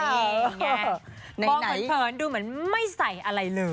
นี่ไงบอกเหมือนเพลินดูเหมือนไม่ใส่อะไรเลย